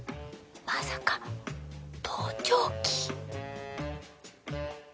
まさか盗聴器？